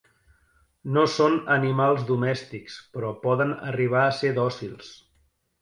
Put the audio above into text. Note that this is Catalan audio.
No són animals domèstics però poden arribar a ser dòcils.